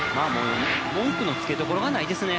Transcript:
文句の付けどころがないですね。